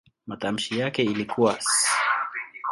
Matamshi yake ilikuwa "s".